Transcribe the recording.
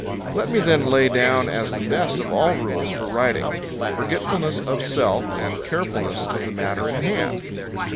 Let me then lay down as the best of all rules for writing, "forgetfulness of self, and carefulness of the matter in hand."